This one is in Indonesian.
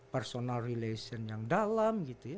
personal relation yang dalam